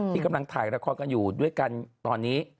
กำลังถ่ายละครกันอยู่ด้วยกันตอนนี้